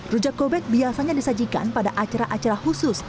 rujak kobek biasanya disajikan pada acara acara khusus